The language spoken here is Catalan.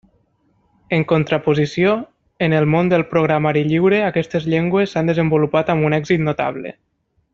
En contraposició, en el món del programari lliure aquestes llengües s'han desenvolupat amb un èxit notable.